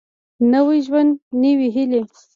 نوی ژوند نوي هېلې